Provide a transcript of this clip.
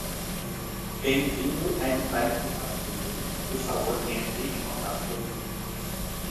Bem-vindo a entrar em contato comigo, por favor entre em contato comigo.